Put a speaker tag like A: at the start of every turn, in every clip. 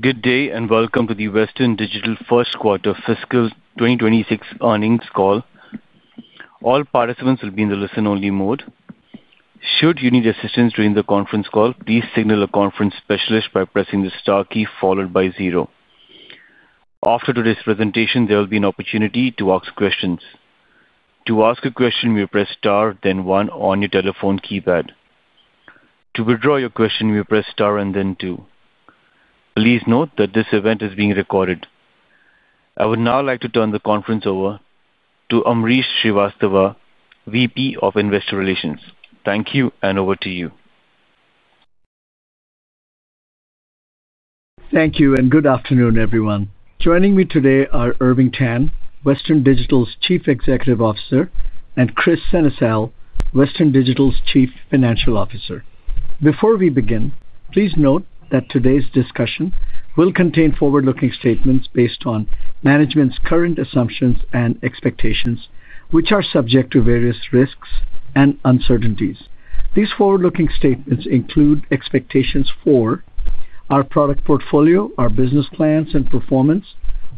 A: Good day and welcome to the Western Digital first quarter fiscal 2026 earnings call. All participants will be in the listen-only mode. Should you need assistance during the conference call, please signal a conference specialist by pressing the star key followed by zero. After today's presentation, there will be an opportunity to ask questions. To ask a question, you press star then one on your telephone keypad. To withdraw your question, you press star and then two. Please note that this event is being recorded. I would now like to turn the conference over to Ambrish Srivastava, VP of Investor Relations. Thank you, and over to you.
B: Thank you and good afternoon, everyone. Joining me today are Irving Tan, Western Digital's Chief Executive Officer, and Kris Sennesael, Western Digital's Chief Financial Officer. Before we begin, please note that today's discussion will contain forward-looking statements based on management's current assumptions and expectations, which are subject to various risks and uncertainties. These forward-looking statements include expectations for our product portfolio, our business plans and performance,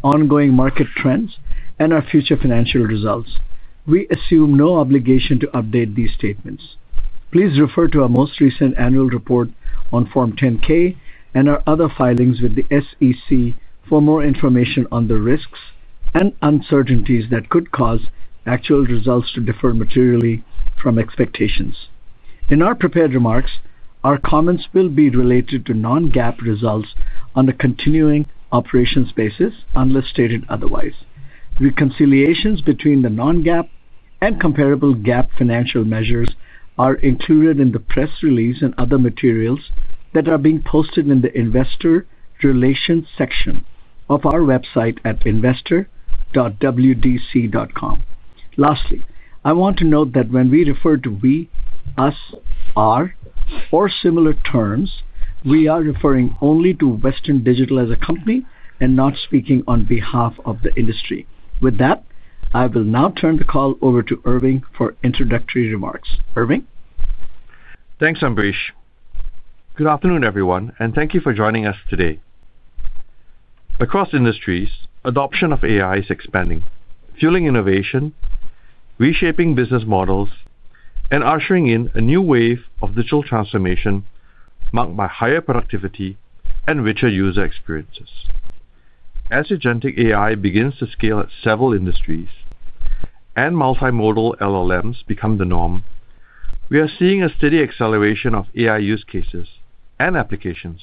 B: ongoing market trends, and our future financial results. We assume no obligation to update these statements. Please refer to our most recent annual report on Form 10-K and our other filings with the SEC for more information on the risks and uncertainties that could cause actual results to differ materially from expectations. In our prepared remarks, our comments will be related to non-GAAP results on a continuing operations basis unless stated otherwise. Reconciliations between the non-GAAP and comparable GAAP financial measures are included in the press release and other materials that are being posted in the Investor Relations section of our website at investor.wdc.com. Lastly, I want to note that when we refer to we, us, our, or similar terms, we are referring only to Western Digital as a company and not speaking on behalf of the industry. With that, I will now turn the call over to Irving for introductory remarks. Irving?
C: Thanks, Ambrish. Good afternoon, everyone, and thank you for joining us today. Across industries, adoption of AI is expanding, fueling innovation, reshaping business models, and ushering in a new wave of digital transformation marked by higher productivity and richer user experiences. As agentic AI begins to scale at several industries and multimodal LLMs become the norm, we are seeing a steady acceleration of AI use cases and applications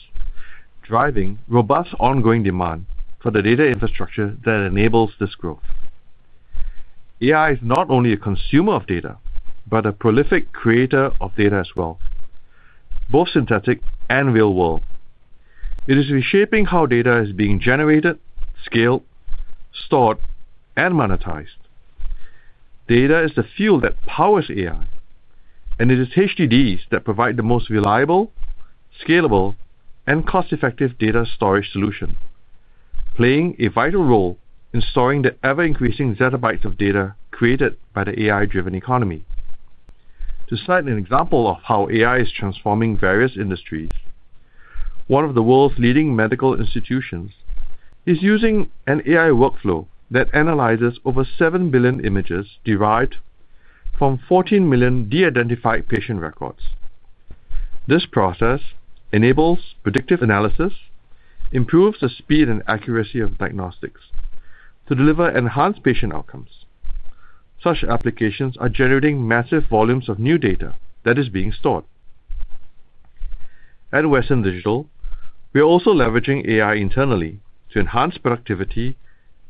C: driving robust ongoing demand for the data infrastructure that enables this growth. AI is not only a consumer of data but a prolific creator of data as well, both synthetic and real-world. It is reshaping how data is being generated, scaled, stored, and monetized. Data is the fuel that powers AI, and it is HDDs that provide the most reliable, scalable, and cost-effective data storage solution, playing a vital role in storing the ever-increasing zettabytes of data created by the AI-driven economy. To cite an example of how AI is transforming various industries, one of the world's leading medical institutions is using an AI workflow that analyzes over 7 billion images derived from 14 million de-identified patient records. This process enables predictive analysis, improves the speed and accuracy of diagnostics to deliver enhanced patient outcomes. Such applications are generating massive volumes of new data that is being stored. At Western Digital, we are also leveraging AI internally to enhance productivity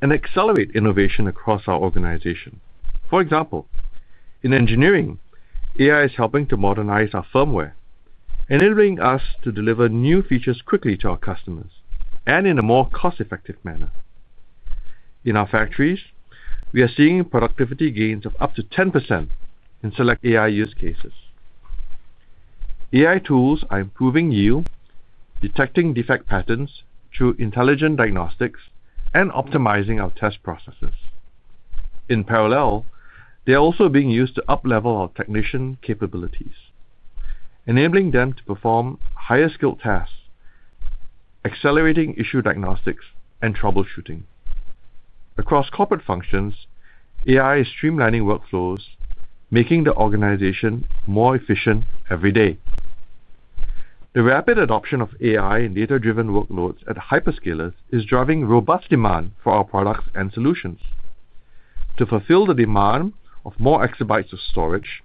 C: and accelerate innovation across our organization. For example, in engineering, AI is helping to modernize our firmware, enabling us to deliver new features quickly to our customers and in a more cost-effective manner. In our factories, we are seeing productivity gains of up to 10% in select AI use cases. AI tools are improving yield, detecting defect patterns through intelligent diagnostics, and optimizing our test processes. In parallel, they are also being used to uplevel our technician capabilities, enabling them to perform higher skilled tasks, accelerating issue diagnostics and troubleshooting. Across corporate functions, AI is streamlining workflows, making the organization more efficient every day. The rapid adoption of AI and data-driven workloads at hyperscalers is driving robust demand for our products and solutions. To fulfill the demand of more exabytes of storage,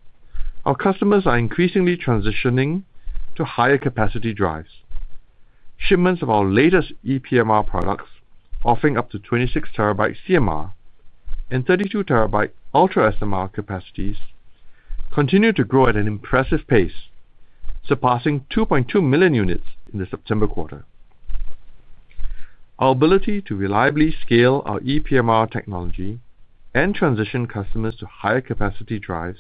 C: our customers are increasingly transitioning to higher capacity drives. Shipments of our latest ePMR products, offering up to 26 TB CMR and 32 TB UltraSMR capacities, continue to grow at an impressive pace, surpassing 2.2 million units in the September quarter. Our ability to reliably scale our ePMR technology and transition customers to higher capacity drives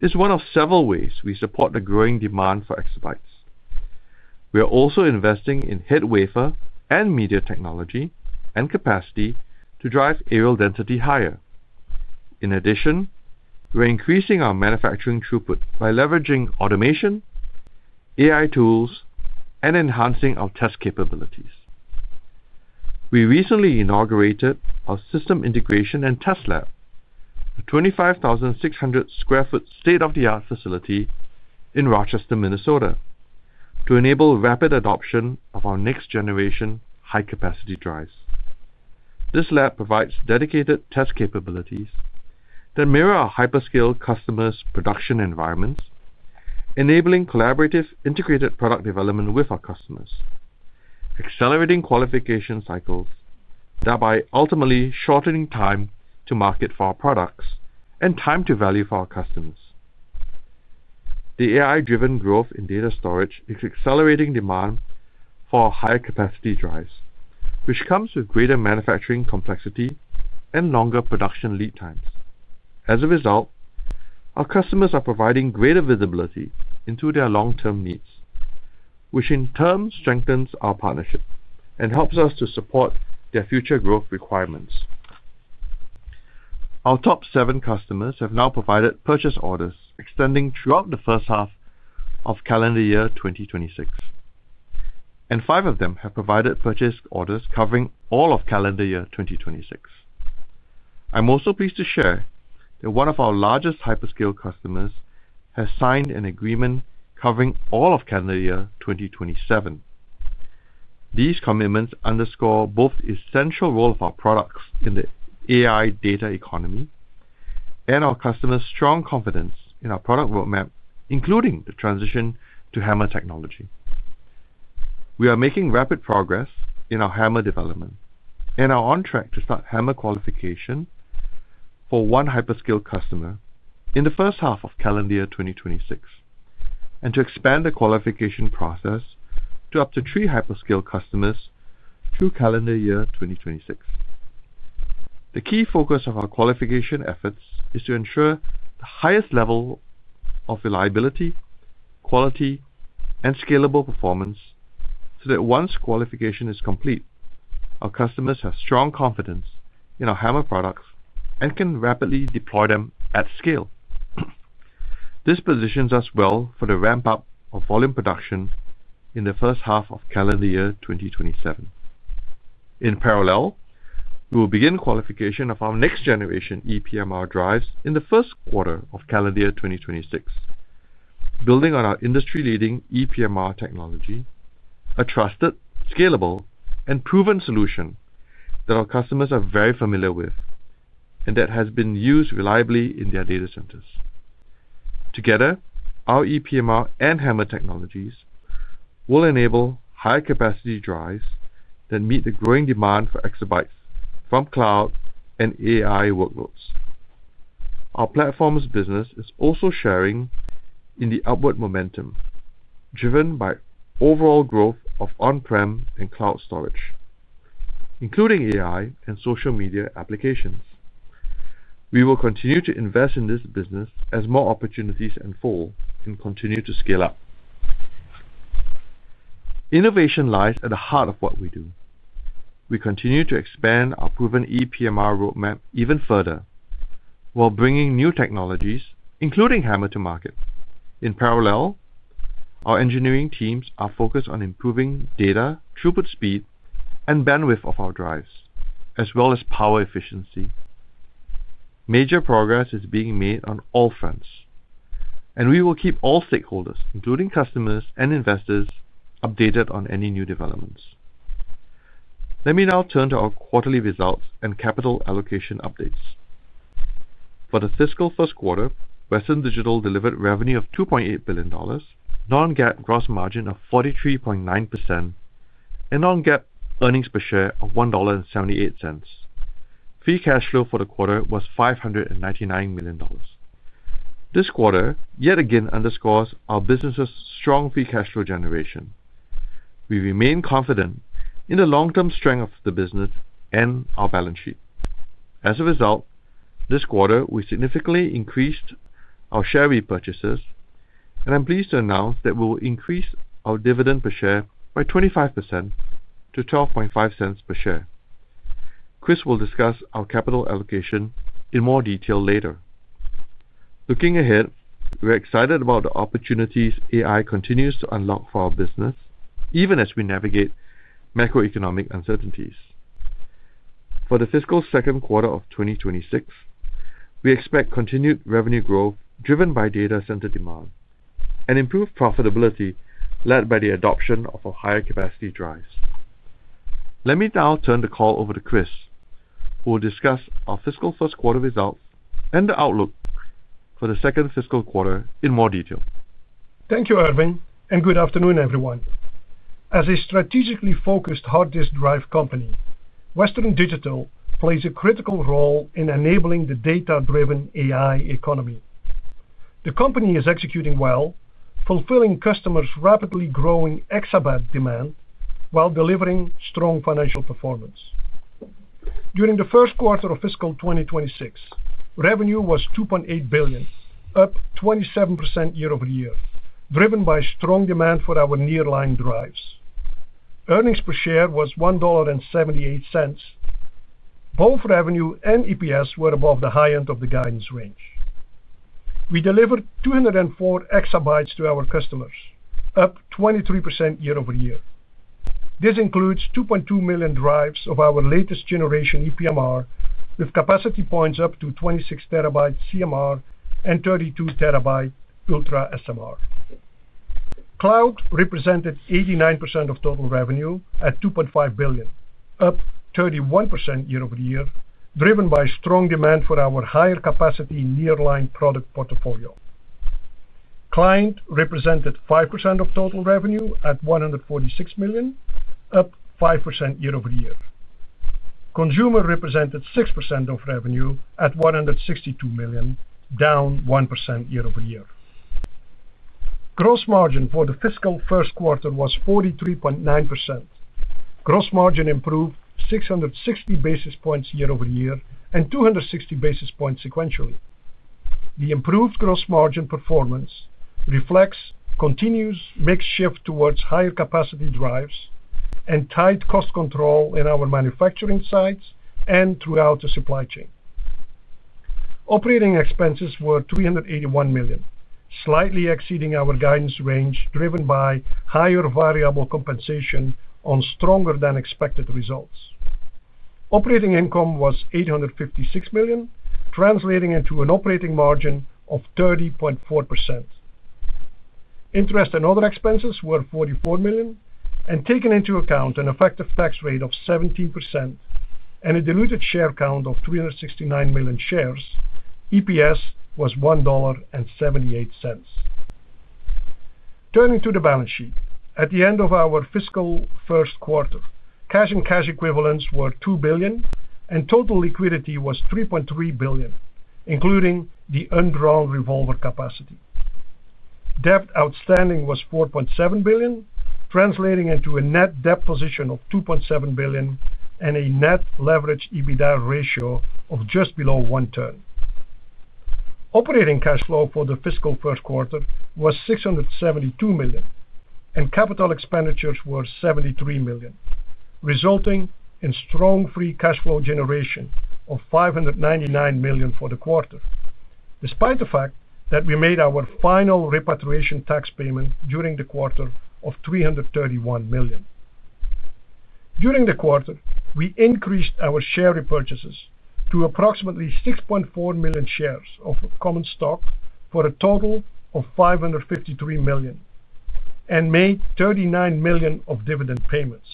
C: is one of several ways we support the growing demand for exabytes. We are also investing in head wafer and media technology and capacity to drive areal density higher. In addition, we're increasing our manufacturing throughput by leveraging automation, AI tools, and enhancing our test capabilities. We recently inaugurated our system integration and test lab, a 25,600 sq ft state-of-the-art facility in Rochester, Minnesota, to enable rapid adoption of our next-generation high-capacity drives. This lab provides dedicated test capabilities that mirror our hyperscale customers' production environments, enabling collaborative integrated product development with our customers, accelerating qualification cycles, thereby ultimately shortening time to market for our products and time to value for our customers. The AI-driven growth in data storage is accelerating demand for higher capacity drives, which comes with greater manufacturing complexity and longer production lead times. As a result, our customers are providing greater visibility into their long-term needs, which in turn strengthens our partnership and helps us to support their future growth requirements. Our top seven customers have now provided purchase orders extending throughout the first half of calendar year 2026, and five of them have provided purchase orders covering all of calendar year 2026. I'm also pleased to share that one of our largest hyperscale customers has signed an agreement covering all of calendar year 2027. These commitments underscore both the essential role of our products in the AI data economy and our customers' strong confidence in our product roadmap, including the transition to HAMR technology. We are making rapid progress in our HAMR development and are on track to start HAMR qualification for one hyperscale customer in the first half of calendar year 2026 and to expand the qualification process to up to three hyperscale customers through calendar year 2026. The key focus of our qualification efforts is to ensure the highest level of reliability, quality, and scalable performance so that once qualification is complete, our customers have strong confidence in our HAMR products and can rapidly deploy them at scale. This positions us well for the ramp-up of volume production in the first half of calendar year 2027. In parallel, we will begin qualification of our next-generation ePMR drives in the first quarter of calendar year 2026. Building on our industry-leading ePMR technology, a trusted, scalable, and proven solution that our customers are very familiar with and that has been used reliably in their data centers. Together, our ePMR and HAMR technologies will enable high-capacity drives that meet the growing demand for exabytes from cloud and AI workloads. Our platform's business is also sharing in the upward momentum driven by overall growth of on-prem and cloud storage, including AI and social media applications. We will continue to invest in this business as more opportunities unfold and continue to scale up. Innovation lies at the heart of what we do. We continue to expand our proven ePMR roadmap even further while bringing new technologies, including HAMR, to market. In parallel, our engineering teams are focused on improving data throughput speed and bandwidth of our drives, as well as power efficiency. Major progress is being made on all fronts, and we will keep all stakeholders, including customers and investors, updated on any new developments. Let me now turn to our quarterly results and capital allocation updates. For the fiscal first quarter, Western Digital delivered revenue of $2.8 billion, non-GAAP gross margin of 43.9%, and non-GAAP earnings per share of $1.78. Free cash flow for the quarter was $599 million. This quarter yet again underscores our business's strong free cash flow generation. We remain confident in the long-term strength of the business and our balance sheet. As a result, this quarter, we significantly increased our share repurchases, and I'm pleased to announce that we will increase our dividend per share by 25% to $0.125 per share. Kris will discuss our capital allocation in more detail later. Looking ahead, we're excited about the opportunities AI continues to unlock for our business, even as we navigate macroeconomic uncertainties. For the fiscal second quarter of 2026, we expect continued revenue growth driven by data center demand and improved profitability led by the adoption of our higher capacity drives. Let me now turn the call over to Kris, who will discuss our fiscal first quarter results and the outlook for the second fiscal quarter in more detail.
D: Thank you, Irving, and good afternoon, everyone. As a strategically focused hard disk drive company, Western Digital plays a critical role in enabling the data-driven AI economy. The company is executing well, fulfilling customers' rapidly growing exabytes demand while delivering strong financial performance. During the first quarter of fiscal 2026, revenue was $2.8 billion, up 27% year-over-year, driven by strong demand for our nearline drives. Earnings per share was $1.78. Both revenue and EPS were above the high end of the guidance range. We delivered 204 EB to our customers, up 23% year-over-year. This includes 2.2 million drives of our latest generation ePMR, with capacity points up to 26 TB CMR and 32 TB UltraSMR. Cloud represented 89% of total revenue at $2.5 billion, up 31% year-over-year, driven by strong demand for our higher capacity nearline product portfolio. Client represented 5% of total revenue at $146 million, up 5% year-over-year. Consumer represented 6% of revenue at $162 million, down 1% year-over-year. Gross margin for the fiscal first quarter was 43.9%. Gross margin improved 660 basis points year-over-year and 260 basis points sequentially. The improved gross margin performance reflects continuous mix shift towards higher capacity drives and tight cost control in our manufacturing sites and throughout the supply chain. Operating expenses were $381 million, slightly exceeding our guidance range, driven by higher variable compensation on stronger-than-expected results. Operating income was $856 million, translating into an operating margin of 30.4%. Interest and other expenses were $44 million, taking into account an effective tax rate of 17% and a diluted share count of 369 million shares. EPS was $1.78. Turning to the balance sheet, at the end of our fiscal first quarter, cash and cash equivalents were $2 billion, and total liquidity was $3.3 billion, including the undrawn revolver capacity. Debt outstanding was $4.7 billion, translating into a net debt position of $2.7 billion and a net leveraged EBITDA ratio of just below 1/3. Operating cash flow for the fiscal first quarter was $672 million, and capital expenditures were $73 million, resulting in strong free cash flow generation of $599 million for the quarter, despite the fact that we made our final repatriation tax payment during the quarter of $331 million. During the quarter, we increased our share repurchases to approximately 6.4 million shares of common stock for a total of $553 million and made $39 million of dividend payments.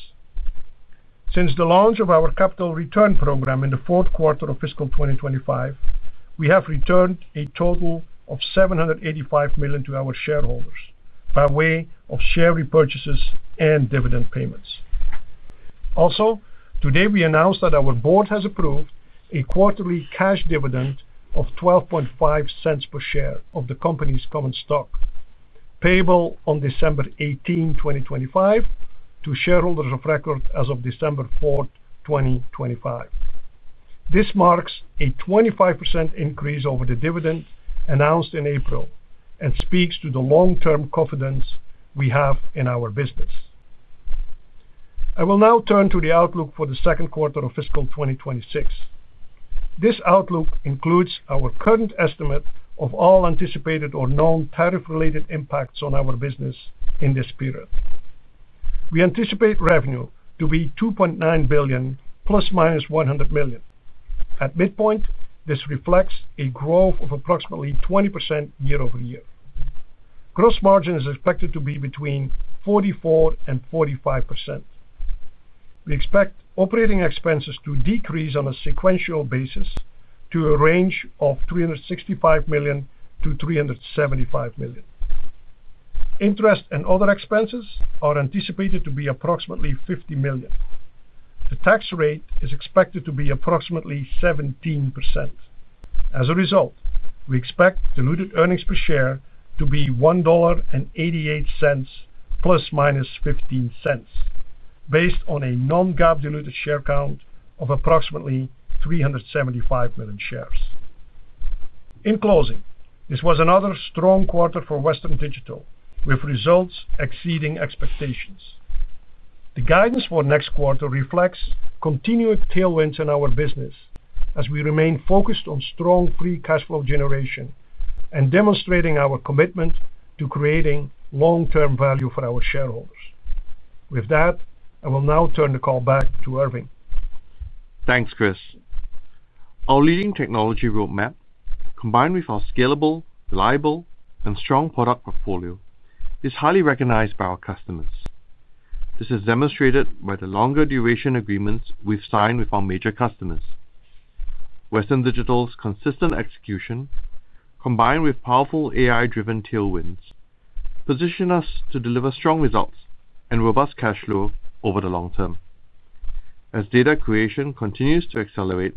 D: Since the launch of our capital return program in the fourth quarter of fiscal 2025, we have returned a total of $785 million to our shareholders by way of share repurchases and dividend payments. Today we announced that our board has approved a quarterly cash dividend of $12.50 per share of the company's common stock, payable on December 18, 2025, to shareholders of record as of December 4, 2025. This marks a 25% increase over the dividend announced in April and speaks to the long-term confidence we have in our business. I will now turn to the outlook for the second quarter of fiscal 2026. This outlook includes our current estimate of all anticipated or known tariff-related impacts on our business in this period. We anticipate revenue to be $2.9 billion, plus/minus $100 million. At midpoint, this reflects a growth of approximately 20% year-over-year. Gross margin is expected to be between 44% and 45%. We expect operating expenses to decrease on a sequential basis to a range of $365 million-$375 million. Interest and other expenses are anticipated to be approximately $50 million. The tax rate is expected to be approximately 17%. As a result, we expect diluted earnings per share to be $1.88±$0.15, based on a non-GAAP diluted share count of approximately 375 million shares. In closing, this was another strong quarter for Western Digital, with results exceeding expectations. The guidance for next quarter reflects continued tailwinds in our business as we remain focused on strong free cash flow generation and demonstrating our commitment to creating long-term value for our shareholders. With that, I will now turn the call back to Irving.
C: Thanks, Kris. Our leading technology roadmap, combined with our scalable, reliable, and strong product portfolio, is highly recognized by our customers. This is demonstrated by the longer duration agreements we've signed with our major customers. Western Digital's consistent execution, combined with powerful AI-driven tailwinds, positions us to deliver strong results and robust cash flow over the long term. As data creation continues to accelerate,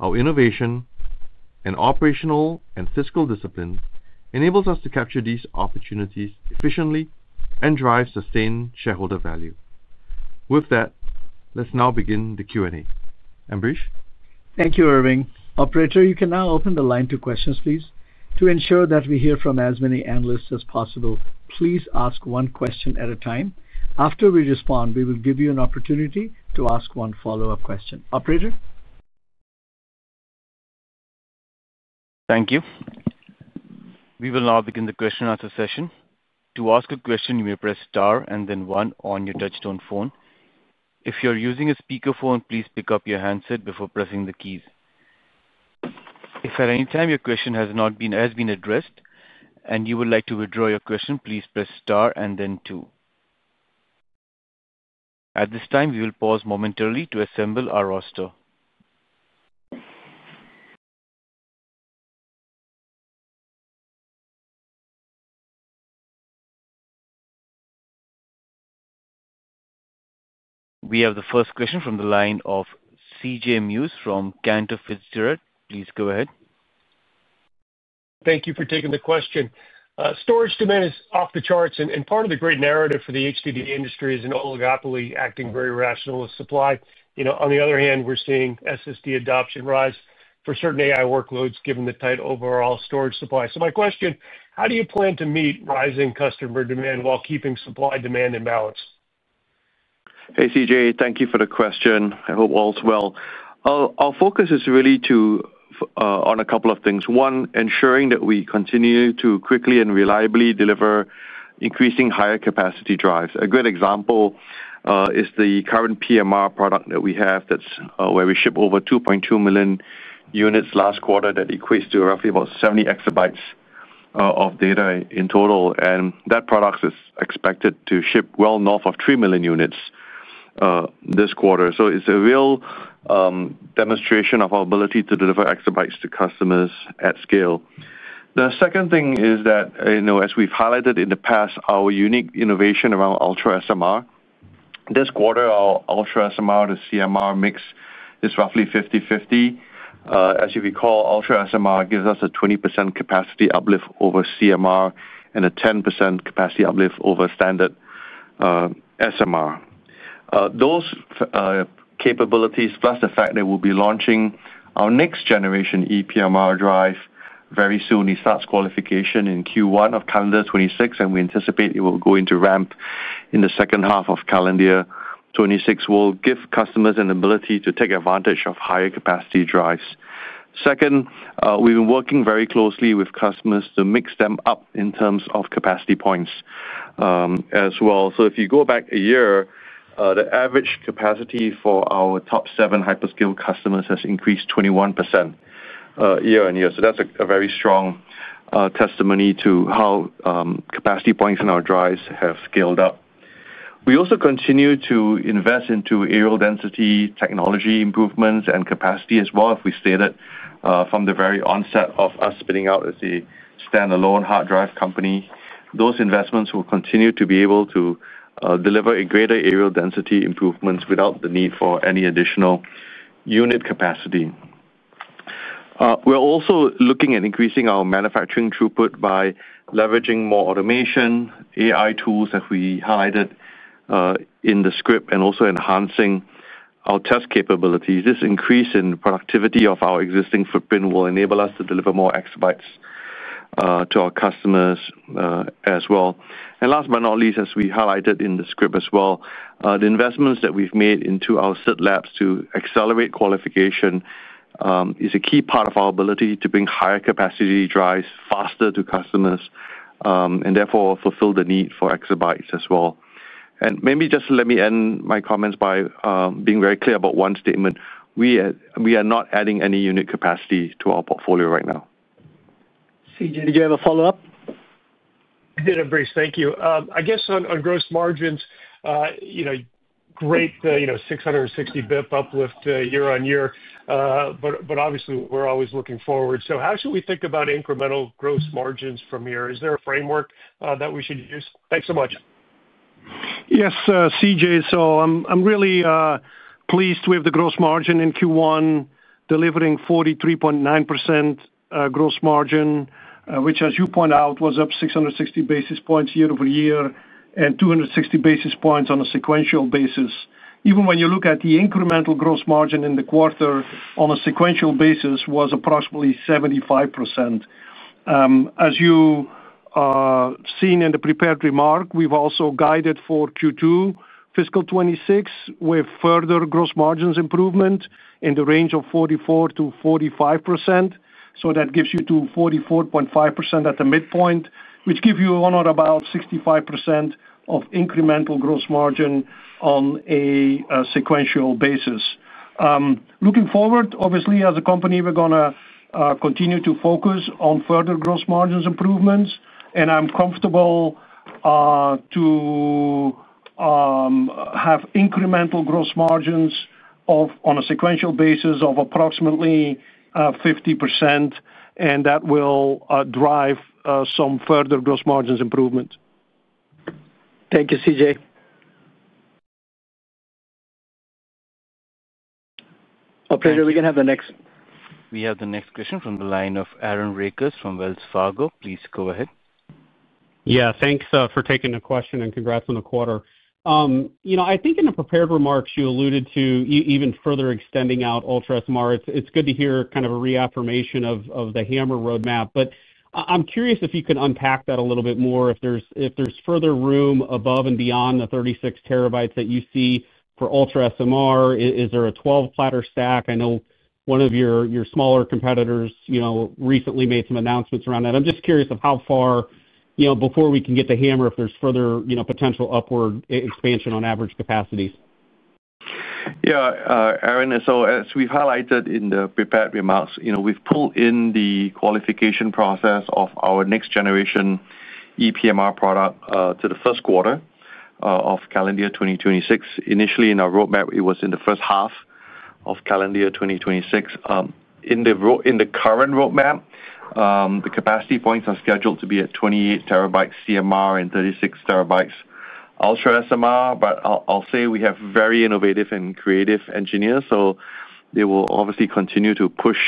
C: our innovation and operational and fiscal discipline enable us to capture these opportunities efficiently and drive sustained shareholder value. With that, let's now begin the Q&A. Ambrish.
B: Thank you, Irving. Operator, you can now open the line to questions, please. To ensure that we hear from as many analysts as possible, please ask one question at a time. After we respond, we will give you an opportunity to ask one follow-up question. Operator.
A: Thank you. We will now begin the question-and-answer session. To ask a question, you may press star and then one on your touch-tone phone. If you're using a speakerphone, please pick up your handset before pressing the keys. If at any time your question has not been addressed and you would like to withdraw your question, please press star and then two. At this time, we will pause momentarily to assemble our roster. We have the first question from the line of CJ Muse from Cantor Fitzgerald. Please go ahead.
E: Thank you for taking the question. Storage demand is off the charts, and part of the great narrative for the HDD industry is an oligopoly acting very rationally with supply. On the other hand, we're seeing SSD adoption rise for certain AI workloads given the tight overall storage supply. My question: how do you plan to meet rising customer demand while keeping supply-demand in balance?
C: Hey, CJ, thank you for the question. I hope all's well. Our focus is really on a couple of things. One, ensuring that we continue to quickly and reliably deliver increasing higher capacity drives. A good example is the current PMR product that we have where we shipped over 2.2 million units last quarter. That equates to roughly about 70 EB of data in total, and that product is expected to ship well north of 3 million units this quarter. It's a real demonstration of our ability to deliver exabytes to customers at scale. The second thing is that, as we've highlighted in the past, our unique innovation around UltraSMR. This quarter, our UltraSMR to CMR mix is roughly 50/50. As you recall, UltraSMR gives us a 20% capacity uplift over CMR and a 10% capacity uplift over standard SMR. Those capabilities, plus the fact that we'll be launching our next-generation ePMR drive very soon, it starts qualification in Q1 of calendar 2026, and we anticipate it will go into ramp in the second half of calendar 2026, will give customers an ability to take advantage of higher capacity drives. We've been working very closely with customers to mix them up in terms of capacity points as well. If you go back a year, the average capacity for our top seven hyperscale customers has increased 21% year-on-year. That's a very strong testimony to how capacity points in our drives have scaled up. We also continue to invest into areal density technology improvements and capacity as well, as we stated from the very onset of us spinning out as a standalone hard drive company. Those investments will continue to be able to deliver greater areal density improvements without the need for any additional unit capacity. We're also looking at increasing our manufacturing throughput by leveraging more automation, AI tools that we highlighted in the script, and also enhancing our test capabilities. This increase in the productivity of our existing footprint will enable us to deliver more exabytes to our customers as well. Last but not least, as we highlighted in the script as well, the investments that we've made into our SIT Labs to accelerate qualification is a key part of our ability to bring higher capacity drives faster to customers and therefore fulfill the need for exabytes as well. Maybe just let me end my comments by being very clear about one statement. We are not adding any unit capacity to our portfolio right now.
B: CJ, did you have a follow-up?
E: I did, Ambrish. Thank you. I guess on gross margins. Great 660 bps uplift year-on-year, but obviously, we're always looking forward. How should we think about incremental gross margins from here? Is there a framework that we should use? Thanks so much.
D: Yes, CJ. I'm really pleased with the gross margin in Q1, delivering 43.9% gross margin, which, as you point out, was up 660 basis points year-over-year and 260 basis points on a sequential basis. Even when you look at the incremental gross margin in the quarter on a sequential basis, it was approximately 75%. As you have seen in the prepared remark, we've also guided for Q2 fiscal 2026 with further gross margin improvement in the range of 44%-45%. That gives you 44.5% at the midpoint, which gives you on or about 65% of incremental gross margin on a sequential basis. Looking forward, obviously, as a company, we're going to continue to focus on further gross margin improvements, and I'm comfortable to have incremental gross margin on a sequential basis of approximately 50%, and that will drive some further gross margin improvement.
B: Thank you, CJ. Operator, we can have the next.
A: We have the next question from the line of Aaron Rakers from Wells Fargo. Please go ahead.
F: Yeah, thanks for taking the question and congrats on the quarter. I think in the prepared remarks, you alluded to even further extending out UltraSMR. It's good to hear kind of a reaffirmation of the HAMR roadmap, but I'm curious if you could unpack that a little bit more. If there's further room above and beyond the 36 TBs that you see for UltraSMR, is there a 12-platter stack? I know one of your smaller competitors recently made some announcements around that. I'm just curious of how far, before we can get to HAMR, if there's further potential upward expansion on average capacities.
C: Yeah, Aaron. As we've highlighted in the prepared remarks, we've pulled in the qualification process of our next-generation ePMR product to the first quarter of calendar 2026. Initially, in our roadmap, it was in the first half of calendar 2026. In the current roadmap, the capacity points are scheduled to be at 28 TBs CMR and 36 TBs UltraSMR. I'll say we have very innovative and creative engineers, so they will obviously continue to push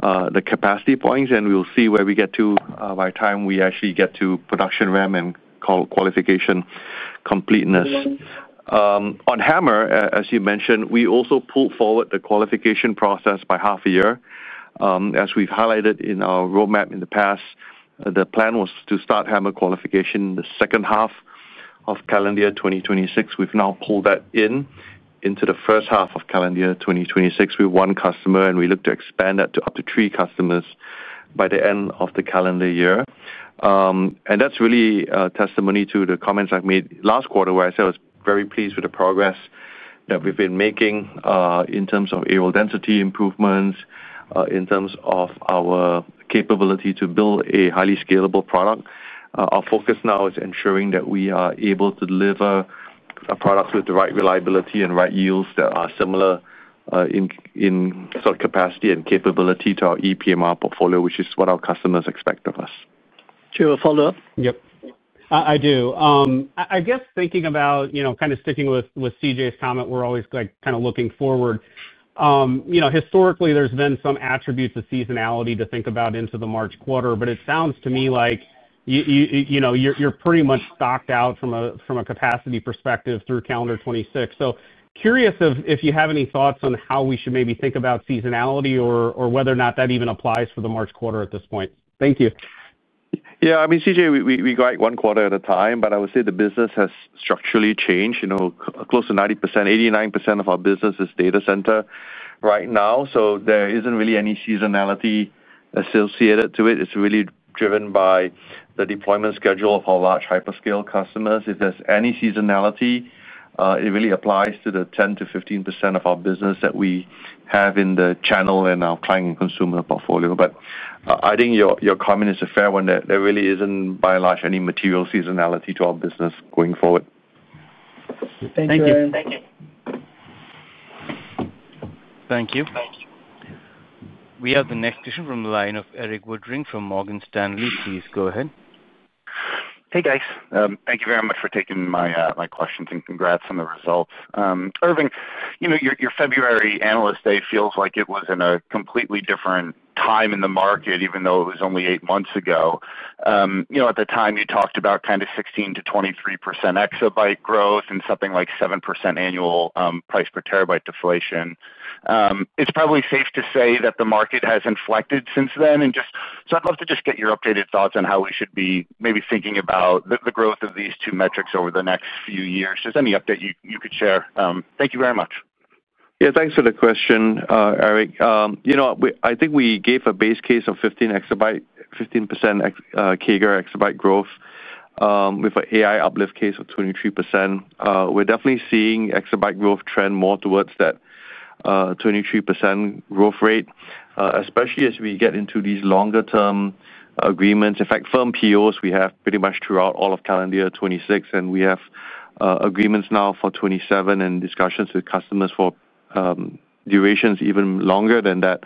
C: the capacity points, and we'll see where we get to by the time we actually get to production ramp and qualification completeness. On HAMR, as you mentioned, we also pulled forward the qualification process by half a year. As we've highlighted in our roadmap in the past, the plan was to start HAMR qualification in the second half of calendar 2026. We've now pulled that into the first half of calendar 2026 with one customer, and we look to expand that to up to three customers by the end of the calendar year. That's really testimony to the comments I've made last quarter, where I said I was very pleased with the progress that we've been making in terms of areal density improvements, in terms of our capability to build a highly scalable product. Our focus now is ensuring that we are able to deliver products with the right reliability and right yields that are similar in sort of capacity and capability to our ePMR portfolio, which is what our customers expect of us.
B: Do you have a follow-up?
F: Yep. I do. I guess thinking about kind of sticking with CJ's comment, we're always kind of looking forward. Historically, there's been some attributes of seasonality to think about into the March quarter, but it sounds to me like you're pretty much stocked out from a capacity perspective through calendar 2026. Curious if you have any thoughts on how we should maybe think about seasonality or whether or not that even applies for the March quarter at this point. Thank you.
C: Yeah, I mean, CJ, we go like one quarter at a time, but I would say the business has structurally changed. Close to 90%, 89% of our business is data center right now, so there isn't really any seasonality associated to it. It's really driven by the deployment schedule of our large hyperscale customers. If there's any seasonality, it really applies to the 10%-15% of our business that we have in the channel and our client and consumer portfolio. I think your comment is a fair one. There really isn't by and large any material seasonality to our business going forward.
B: Thank you, Aaron.
A: Thank you. We have the next question from the line of Erik Woodring from Morgan Stanley. Please go ahead.
G: Hey, guys. Thank you very much for taking my questions and congrats on the results. Irving, your February analyst day feels like it was in a completely different time in the market, even though it was only eight months ago. At the time, you talked about kind of 16%-23% exabytes growth and something like 7% annual price per terabytes deflation. It's probably safe to say that the market has inflected since then. I'd love to just get your updated thoughts on how we should be maybe thinking about the growth of these two metrics over the next few years. Just any update you could share. Thank you very much.
C: Yeah, thanks for the question, Erik. I think we gave a base case of 15% CAGR exabytes growth, with an AI uplift case of 23%. We're definitely seeing exabytes growth trend more towards that 23% growth rate, especially as we get into these longer-term agreements. In fact, firm POs we have pretty much throughout all of calendar 2026, and we have agreements now for 2027 and discussions with customers for durations even longer than that.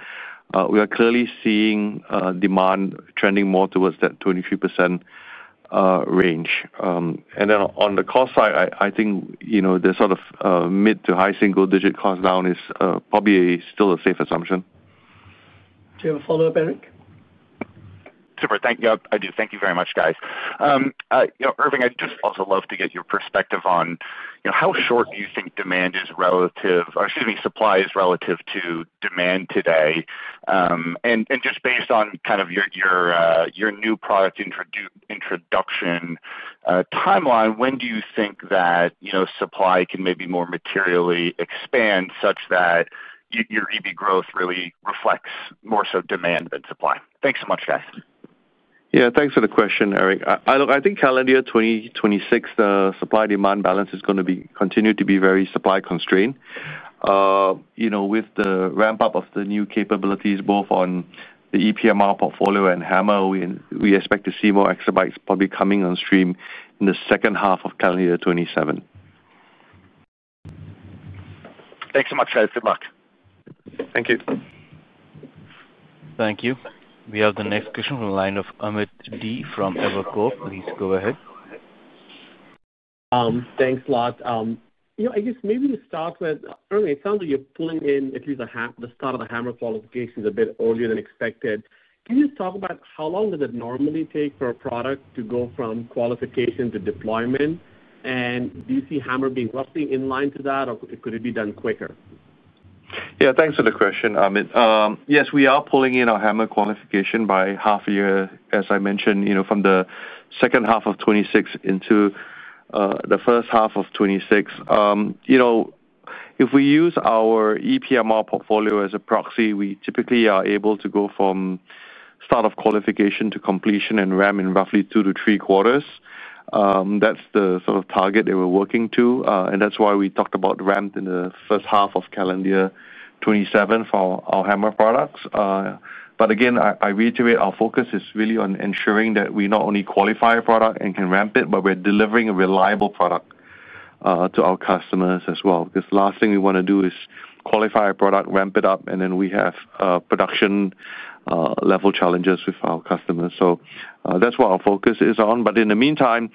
C: We are clearly seeing demand trending more towards that 23% range. On the cost side, I think the sort of mid to high single-digit cost down is probably still a safe assumption.
B: Do you have a follow-up, Erik?
G: Thank you very much, guys. Irving, I'd just also love to get your perspective on how short you think supply is relative to demand today. Based on your new product introduction timeline, when do you think that supply can maybe more materially expand such that your EV growth really reflects more so demand than supply? Thanks so much, guys.
C: Yeah, thanks for the question, Erik. I think calendar 2026, the supply-demand balance is going to continue to be very supply-constrained. With the ramp-up of the new capabilities, both on the ePMR portfolio and HAMR, we expect to see more exabytes probably coming on stream in the second half of calendar 2027.
G: Thanks so much, guys. Good luck.
C: Thank you.
A: Thank you. We have the next question from the line of Amit D. from Evercore. Please go ahead.
H: Thanks a lot. I guess maybe to start with, Irving, it sounds like you're pulling in at least the start of the HAMR qualifications a bit earlier than expected. Can you just talk about how long does it normally take for a product to go from qualification to deployment? Do you see HAMR being roughly in line to that, or could it be done quicker?
C: Yeah, thanks for the question, Amit. Yes, we are pulling in our HAMR qualification by half a year, as I mentioned, from the second half of 2026 into the first half of 2026. If we use our ePMR portfolio as a proxy, we typically are able to go from start of qualification to completion and ramp in roughly two to three quarters. That's the sort of target that we're working to. That's why we talked about ramped in the first half of calendar 2027 for our HAMR products. I reiterate, our focus is really on ensuring that we not only qualify a product and can ramp it, but we're delivering a reliable product to our customers as well. The last thing we want to do is qualify a product, ramp it up, and then we have production-level challenges with our customers. That's what our focus is on. In the meantime,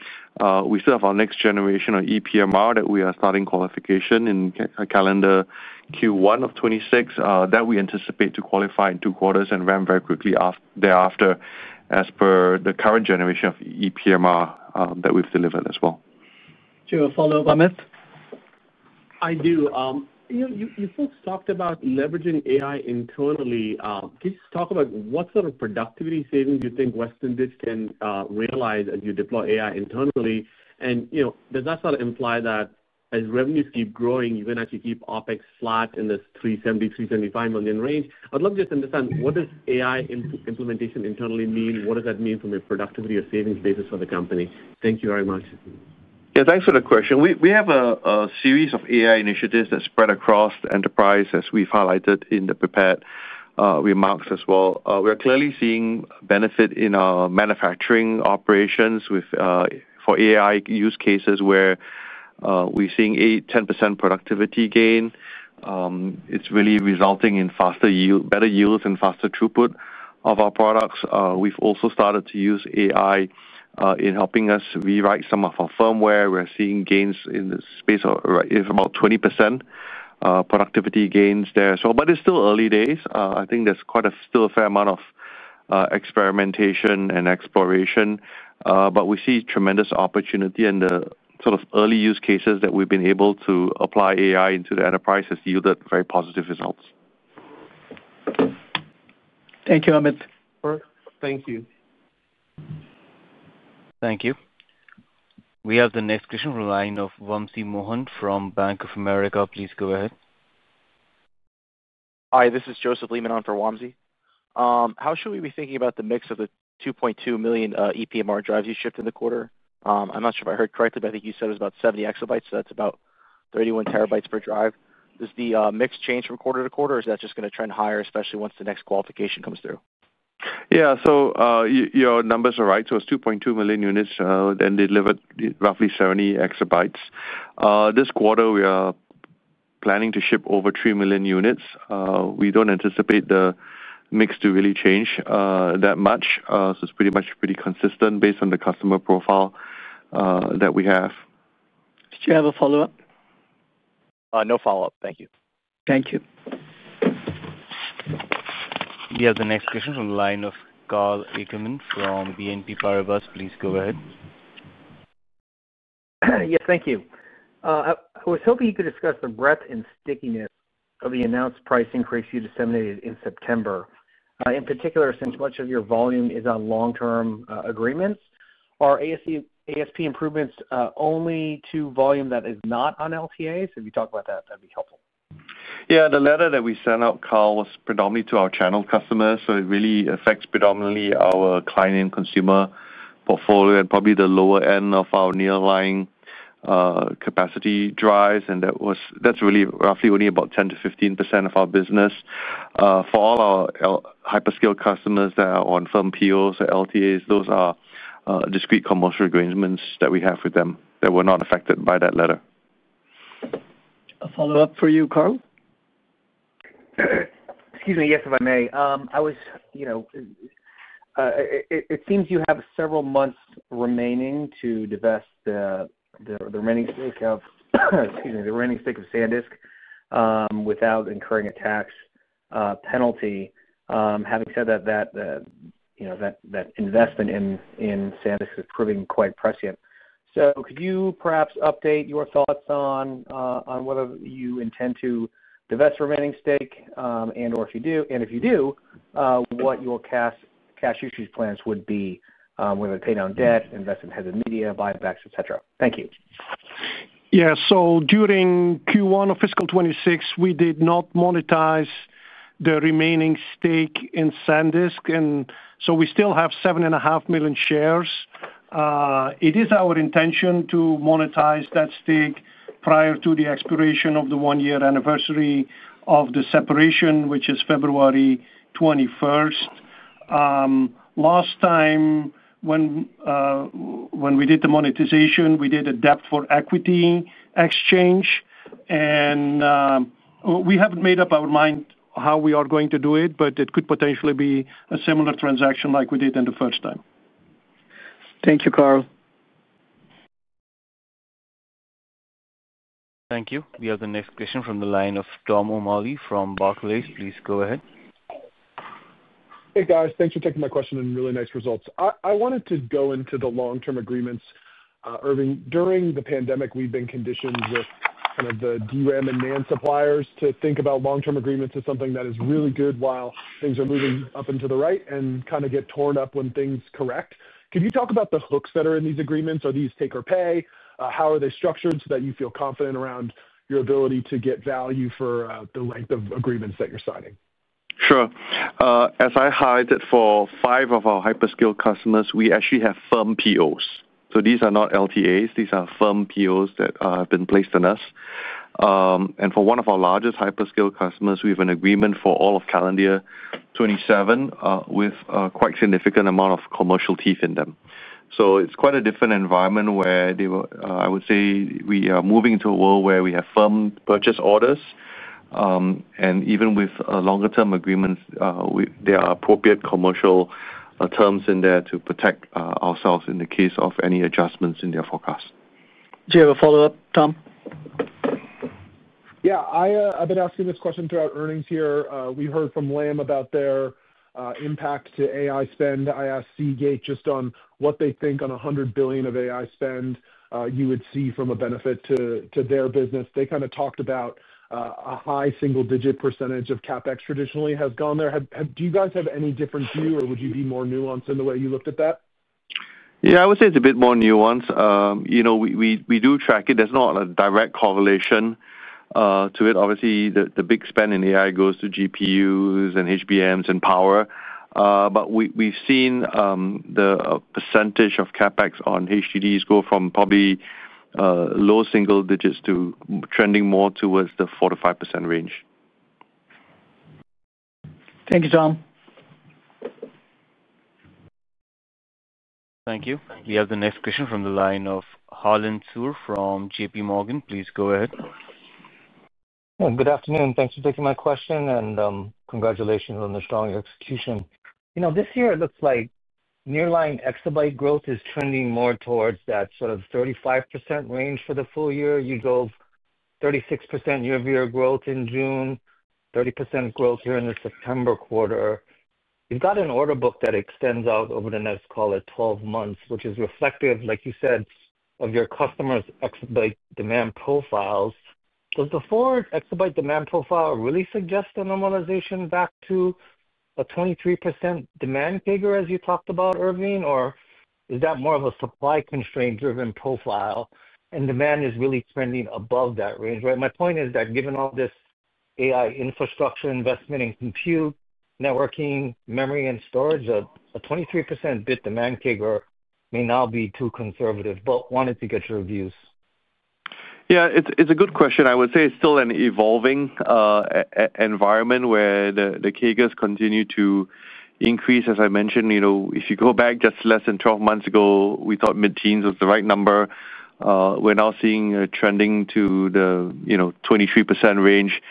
C: we still have our next generation of ePMR that we are starting qualification in calendar Q1 of 2026 that we anticipate to qualify in two quarters and ramp very quickly thereafter as per the current generation of ePMR that we've delivered as well.
B: Do you have a follow-up, Amit?
H: I do. You folks talked about leveraging AI internally. Can you just talk about what sort of productivity savings you think Western Digital can realize as you deploy AI internally? Does that sort of imply that as revenues keep growing, you can actually keep OpEx flat in this $370 million, $375 million range? I'd love to just understand what does AI implementation internally mean. What does that mean from a productivity or savings basis for the company? Thank you very much.
C: Yeah, thanks for the question. We have a series of AI initiatives that spread across the enterprise, as we've highlighted in the prepared remarks as well. We are clearly seeing benefit in our manufacturing operations for AI use cases where we're seeing 8%, 10% productivity gain. It's really resulting in better yields and faster throughput of our products. We've also started to use AI in helping us rewrite some of our firmware. We're seeing gains in the space of about 20%. Productivity gains there as well. It's still early days. I think there's still a fair amount of experimentation and exploration. We see tremendous opportunity in the sort of early use cases that we've been able to apply AI into. The enterprise has yielded very positive results.
B: Thank you, Amit.
H: Thank you.
A: Thank you. We have the next question from the line of Wamsi Mohan from Bank of America. Please go ahead.
I: Hi, this is Joseph Leeman on from Wamsi. How should we be thinking about the mix of the 2.2 million ePMR drives you shipped in the quarter? I'm not sure if I heard correctly, but I think you said it was about 70 EB, so that's about 31 TBs per drive. Does the mix change from quarter-to-quarter, or is that just going to trend higher, especially once the next qualification comes through?
C: Yeah, your numbers are right. It's 2.2 million units that delivered roughly 70 EB. This quarter, we are planning to ship over 3 million units. We don't anticipate the mix to really change that much. It's pretty much consistent based on the customer profile that we have.
B: Do you have a follow-up?
I: No follow-up. Thank you.
B: Thank you.
A: We have the next question from the line of Karl Ackerman from BNP Paribas. Please go ahead.
J: Yes, thank you. I was hoping you could discuss the breadth and stickiness of the announced price increase you disseminated in September. In particular, since much of your volume is on long-term agreements, are ASP improvements only to volume that is not on LTAs? If you talk about that, that'd be helpful.
C: Yeah, the letter that we sent out, Karl, was predominantly to our channel customers. It really affects predominantly our client and consumer portfolio and probably the lower end of our nearline capacity drives. That's really roughly only about 10%-15% of our business. For all our hyperscale customers that are on firm POs or LTAs, those are discrete commercial agreements that we have with them that were not affected by that letter.
B: A follow-up for you, Karl?
J: Yes, if I may. It seems you have several months remaining to divest the remaining stake of SanDisk without incurring a tax penalty. Having said that, that investment in SanDisk is proving quite prescient. Could you perhaps update your thoughts on whether you intend to divest remaining stake and/or if you do, what your cash issues plans would be, whether it's pay down debt, invest in heads of media, buybacks, etc.? Thank you.
D: Yeah, during Q1 of fiscal 2026, we did not monetize the remaining stake in SanDisk, and we still have 7.5 million shares. It is our intention to monetize that stake prior to the expiration of the one-year anniversary of the separation, which is February 21st. Last time when we did the monetization, we did a debt for equity exchange. We haven't made up our mind how we are going to do it, but it could potentially be a similar transaction like we did the first time.
B: Thank you, Karl.
A: Thank you. We have the next question from the line of Tom O'Malley from Barclays. Please go ahead.
K: Hey, guys. Thanks for taking my question and really nice results. I wanted to go into the long-term agreements, Irving. During the pandemic, we've been conditioned with kind of the DRAM and NAND suppliers to think about long-term agreements as something that is really good while things are moving up and to the right and kind of get torn up when things correct. Can you talk about the hooks that are in these agreements? Are these take or pay? How are they structured so that you feel confident around your ability to get value for the length of agreements that you're signing?
C: As I highlighted, for five of our hyperscale customers, we actually have firm POs. These are not LTAs. These are firm POs that have been placed on us. For one of our largest hyperscale customers, we have an agreement for all of calendar 2027 with a quite significant amount of commercial teeth in them. It is quite a different environment where I would say we are moving to a world where we have firm purchase orders. Even with longer-term agreements, there are appropriate commercial terms in there to protect ourselves in the case of any adjustments in their forecast.
B: Do you have a follow-up, Tom?
K: Yeah. I've been asking this question throughout earnings here. We heard from Lam about their impact to AI spend. I asked Seagate just on what they think on $100 billion of AI spend you would see from a benefit to their business. They kind of talked about a high single-digit percentage of CapEx traditionally has gone there. Do you guys have any different view, or would you be more nuanced in the way you looked at that?
C: Yeah, I would say it's a bit more nuanced. We do track it. There's not a direct correlation to it. Obviously, the big spend in AI goes to GPUs and HBMs and power. We've seen the percentage of CapEx on HDDs go from probably low single digits to trending more towards the 4%-5% range.
B: Thank you, Tom.
A: Thank you. We have the next question from the line of Harlan Sur from JPMorgan. Please go ahead.
L: Good afternoon. Thanks for taking my question, and congratulations on the strong execution. This year, it looks like nearline exabytes growth is trending more towards that sort of 35% range for the full year. You drove 36% year-over-year growth in June, 30% growth here in the September quarter. You've got an order book that extends out over the next, call it, 12 months, which is reflective, like you said, of your customers' exabytes demand profiles. Does the forward exabytes demand profile really suggest a normalization back to a 23% demand figure, as you talked about, Irving, or is that more of a supply-constrained-driven profile and demand is really trending above that range? My point is that given all this AI infrastructure investment in compute, networking, memory, and storage, a 23% bit demand figure may now be too conservative. Wanted to get your views.
C: Yeah, it's a good question. I would say it's still an evolving environment where the figures continue to increase. As I mentioned, if you go back just less than 12 months ago, we thought mid-teens was the right number. We're now seeing trending to the 23% range,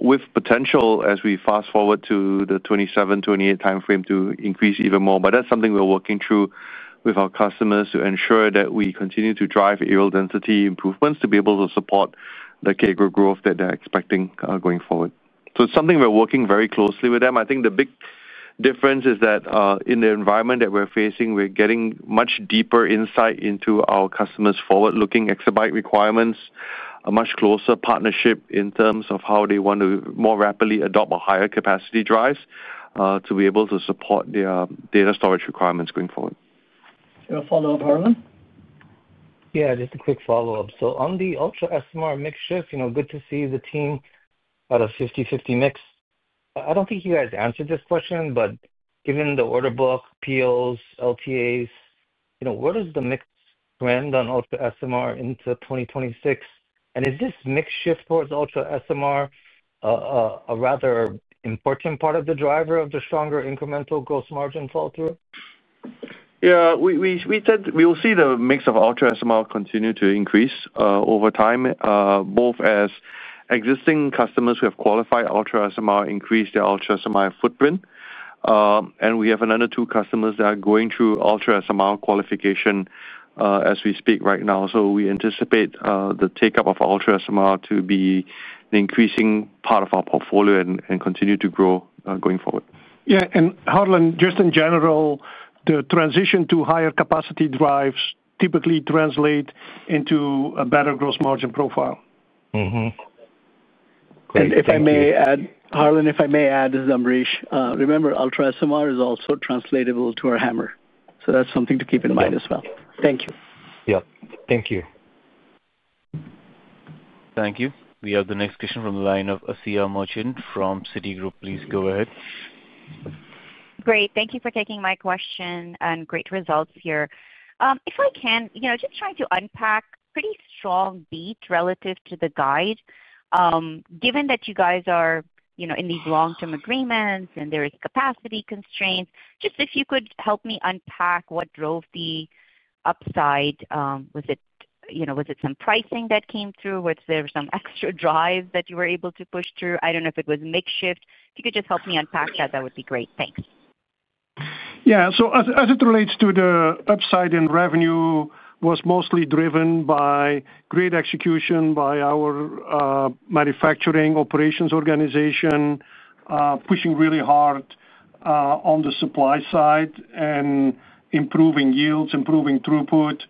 C: with potential as we fast forward to the 2027, 2028 timeframe to increase even more. That's something we're working through with our customers to ensure that we continue to drive areal density improvements to be able to support the cable growth that they're expecting going forward. It's something we're working very closely with them. I think the big difference is that in the environment that we're facing, we're getting much deeper insight into our customers' forward-looking exabytes requirements, a much closer partnership in terms of how they want to more rapidly adopt a higher capacity drive to be able to support their data storage requirements going forward.
B: Do you have a follow-up, Harlan?
L: Yeah, just a quick follow-up. On the UltraSMR mix shift, good to see the team at a 50/50 mix. I don't think you guys answered this question, but given the order book, POs, LTAs, where does the mix trend on UltraSMR into 2026? Is this mix shift towards UltraSMR a rather important part of the driver of the stronger incremental gross margin fall through?
C: Yeah, we said we will see the mix of UltraSMR continue to increase over time, both as existing customers who have qualified UltraSMR increase their UltraSMR footprint. We have another two customers that are going through UltraSMR qualification as we speak right now. We anticipate the take-up of UltraSMR to be an increasing part of our portfolio and continue to grow going forward.
D: Yeah, Harlan, just in general, the transition to higher capacity drives typically translate into a better gross margin profile.
B: If I may add, Harlan, I'm Ambrish, remember UltraSMR is also translatable to HAMR. That's something to keep in mind as well. Thank you.
L: Yeah, thank you.
A: Thank you. We have the next question from the line of Asiya Merchant from Citigroup. Please go ahead.
M: Great. Thank you for taking my question and great results here. If I can, just trying to unpack pretty strong beat relative to the guide. Given that you guys are in these long-term agreements and there are capacity constraints, just if you could help me unpack what drove the upside. Was it some pricing that came through? Was there some extra drive that you were able to push through? I don't know if it was a mix shift. If you could just help me unpack that, that would be great. Thanks.
D: Yeah, so as it relates to the upside in revenue, it was mostly driven by great execution by our manufacturing operations organization, pushing really hard on the supply side and improving yields, improving throughput.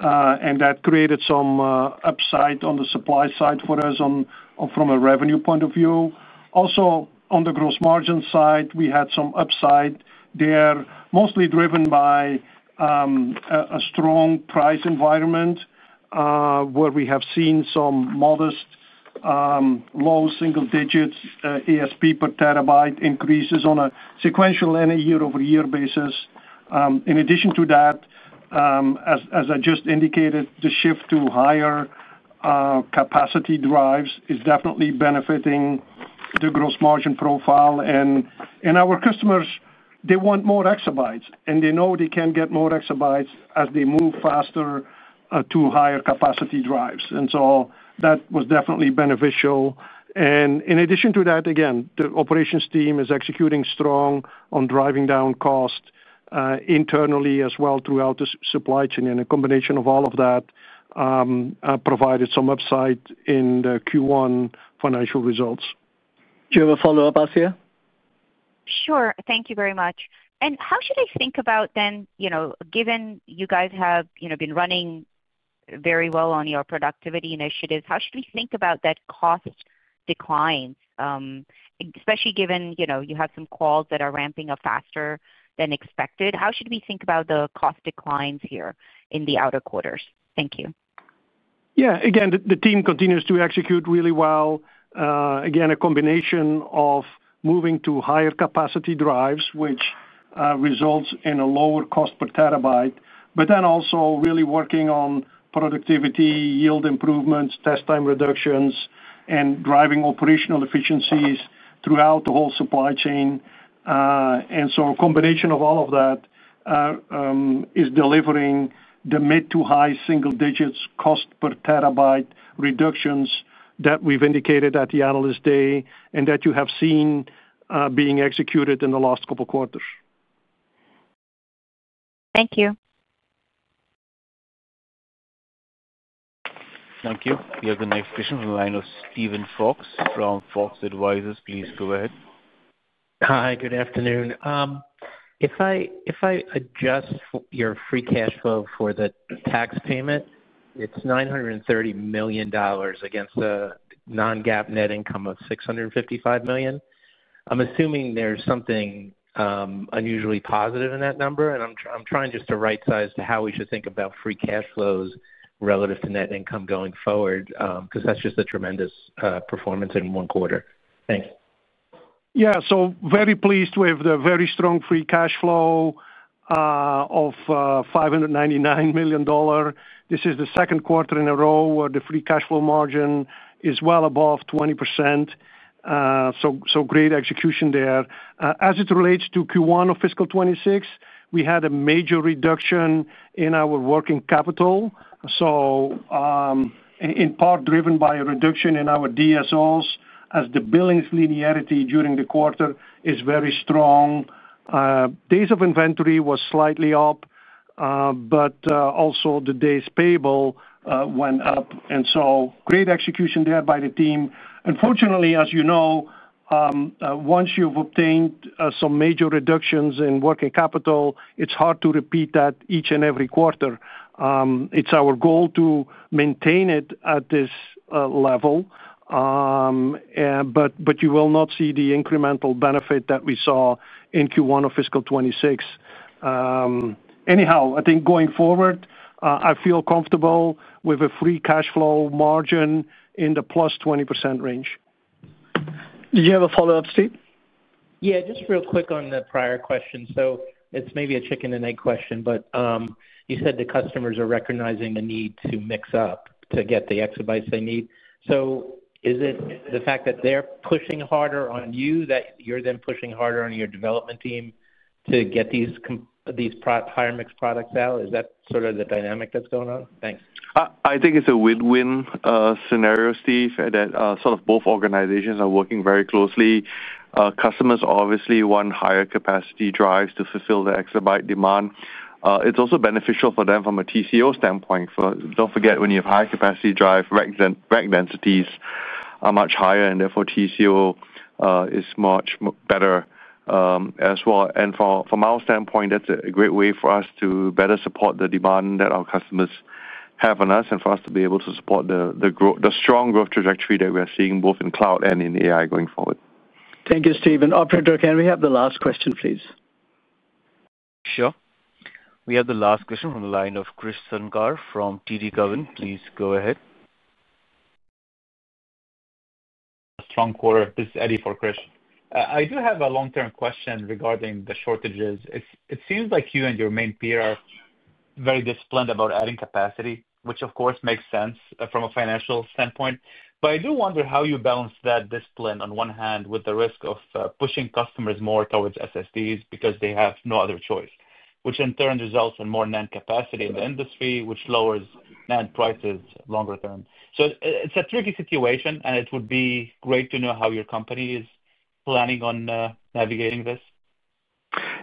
D: That created some upside on the supply side for us from a revenue point of view. Also, on the gross margin side, we had some upside there, mostly driven by a strong price environment where we have seen some modest low single digits ASP per terabyte increases on a sequential and a year-over-year basis. In addition to that, as I just indicated, the shift to higher capacity drives is definitely benefiting the gross margin profile. Our customers, they want more exabytes, and they know they can get more exabytes as they move faster to higher capacity drives. That was definitely beneficial. In addition to that, again, the operations team is executing strong on driving down cost internally as well throughout the supply chain. A combination of all of that provided some upside in the Q1 financial results.
B: Do you have a follow-up, Asiya?
M: Sure. Thank you very much. How should I think about then, given you guys have been running very well on your productivity initiatives, how should we think about that cost decline, especially given you have some calls that are ramping up faster than expected? How should we think about the cost declines here in the outer quarters? Thank you.
D: Yeah, again, the team continues to execute really well. A combination of moving to higher capacity drives, which results in a lower cost per terabyte, but then also really working on productivity, yield improvements, test time reductions, and driving operational efficiencies throughout the whole supply chain. A combination of all of that is delivering the mid to high single digits cost per terabyte reductions that we've indicated at the analyst day and that you have seen being executed in the last couple of quarters.
M: Thank you.
A: Thank you. We have the next question from the line of Steven Fox from Fox Advisors. Please go ahead.
N: Hi, good afternoon. If I adjust your free cash flow for the tax payment, it's $930 million against a non-GAAP net income of $655 million. I'm assuming there's something unusually positive in that number. I'm trying just to right-size to how we should think about free cash flows relative to net income going forward because that's just a tremendous performance in one quarter. Thanks.
D: Yeah, so very pleased with the very strong free cash flow of $599 million. This is the second quarter in a row where the free cash flow margin is well above 20%. Great execution there. As it relates to Q1 of fiscal 2026, we had a major reduction in our working capital, in part driven by a reduction in our DSOs as the billing linearity during the quarter is very strong. Days of inventory was slightly up, but also the days payable went up. Great execution there by the team. Unfortunately, as you know, once you've obtained some major reductions in working capital, it's hard to repeat that each and every quarter. It's our goal to maintain it at this level, but you will not see the incremental benefit that we saw in Q1 of fiscal 2026. Anyhow, I think going forward, I feel comfortable with a free cash flow margin in the +20% range.
B: Did you have a follow-up, Steve?
N: Yeah, just real quick on the prior question. Maybe it's a chicken-and-egg question, but you said the customers are recognizing the need to mix up to get the exabytes they need. Is it the fact that they're pushing harder on you that you're then pushing harder on your development team to get these higher mixed products out? Is that sort of the dynamic that's going on? Thanks.
C: I think it's a win-win scenario, Steve, that sort of both organizations are working very closely. Customers obviously want higher capacity drives to fulfill the exabytes demand. It's also beneficial for them from a TCO standpoint. Don't forget, when you have high capacity drive, rack densities are much higher, and therefore TCO is much better as well. From our standpoint, that's a great way for us to better support the demand that our customers have on us and for us to be able to support the strong growth trajectory that we are seeing both in cloud and in AI going forward.
B: Thank you, Steven. Operator, can we have the last question, please?
A: Sure. We have the last question from the line of Krish Sankar from TD Cowen. Please go ahead.
O: Strong quarter. This is Eddie for Kris. I do have a long-term question regarding the shortages. It seems like you and your main peer are very disciplined about adding capacity, which of course makes sense from a financial standpoint. I do wonder how you balance that discipline on one hand with the risk of pushing customers more towards SSDs because they have no other choice, which in turn results in more NAND capacity in the industry, which lowers NAND prices longer term. It is a tricky situation, and it would be great to know how your company is planning on navigating this.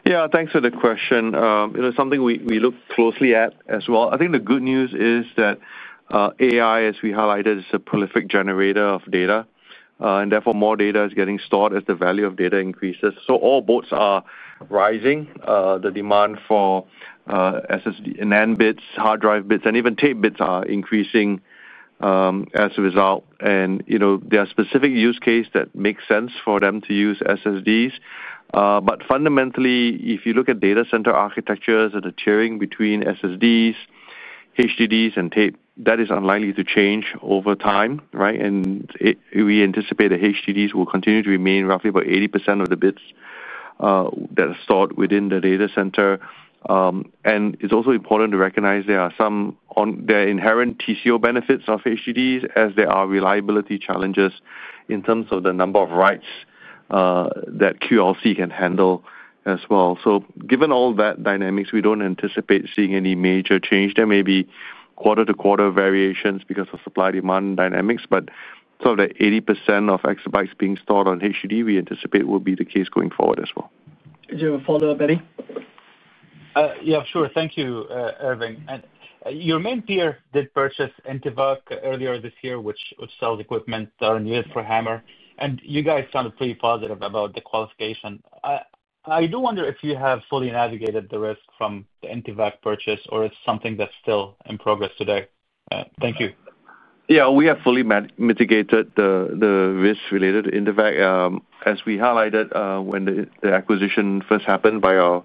C: Yeah, thanks for the question. It is something we look closely at as well. I think the good news is that AI, as we highlighted, is a prolific generator of data. Therefore, more data is getting stored as the value of data increases. All boats are rising. The demand for NAND bits, hard drive bits, and even tape bits are increasing as a result. There are specific use cases that make sense for them to use SSDs. Fundamentally, if you look at data center architectures and the tiering between SSDs, HDDs, and tape, that is unlikely to change over time. We anticipate that HDDs will continue to remain roughly about 80% of the bits that are stored within the data center. It's also important to recognize there are some inherent TCO benefits of HDDs as there are reliability challenges in terms of the number of writes that QLC can handle as well. Given all that dynamics, we don't anticipate seeing any major change. There may be quarter-to-quarter variations because of supply demand dynamics, but sort of the 80% of exabytes being stored on HDD, we anticipate will be the case going forward as well.
B: Do you have a follow-up, any?
P: Yeah, sure. Thank you, Irving. Your main peer did purchase Intevac earlier this year, which sells equipment that are needed for HAMR. You guys sounded pretty positive about the qualification. I do wonder if you have fully navigated the risk from the Intevac purchase or if it's something that's still in progress today. Thank you.
C: Yeah, we have fully mitigated the risk related to Intevac. As we highlighted when the acquisition first happened by our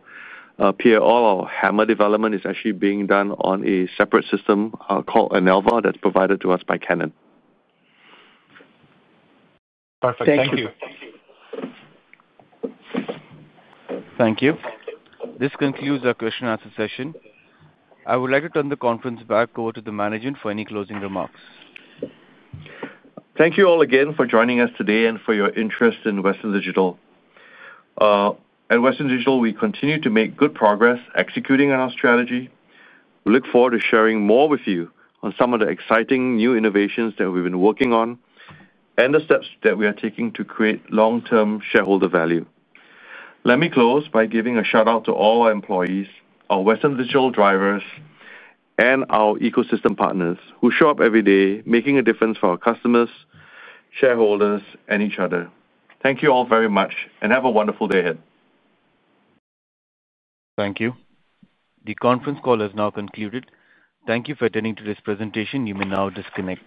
C: peer, all our HAMR development is actually being done on a separate system called ANELVA that's provided to us by Canon.
P: Perfect. Thank you.
A: Thank you. This concludes our question-and-answer session. I would like to turn the conference back over to the management for any closing remarks.
C: Thank you all again for joining us today and for your interest in Western Digital. At Western Digital, we continue to make good progress executing on our strategy. We look forward to sharing more with you on some of the exciting new innovations that we've been working on, and the steps that we are taking to create long-term shareholder value. Let me close by giving a shout-out to all our employees, our Western Digital drivers, and our ecosystem partners who show up every day making a difference for our customers, shareholders, and each other. Thank you all very much and have a wonderful day ahead.
A: Thank you. The conference call has now concluded. Thank you for attending today's presentation. You may now disconnect.